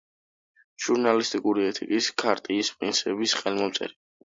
ჟურნალისტური ეთიკის ქარტიის პრინციპების ხელმომწერი.